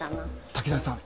滝沢さん